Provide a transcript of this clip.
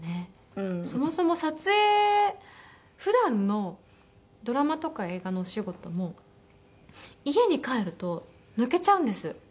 そもそも撮影普段のドラマとか映画のお仕事も家に帰ると抜けちゃうんです。